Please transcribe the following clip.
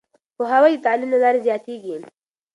پوهاوی د تعليم له لارې زياتېږي.